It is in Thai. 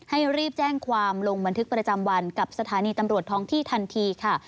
รีบแจ้งความลงบันทึกประจำวันกับสถานีตำรวจท้องที่ทันทีค่ะ